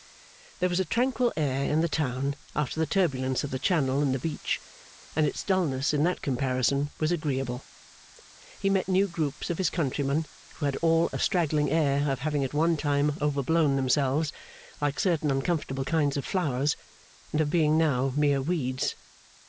There was a tranquil air in the town after the turbulence of the Channel and the beach, and its dulness in that comparison was agreeable. He met new groups of his countrymen, who had all a straggling air of having at one time overblown themselves, like certain uncomfortable kinds of flowers, and of being now mere weeds.